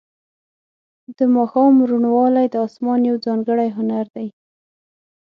د ماښام روڼوالی د اسمان یو ځانګړی هنر دی.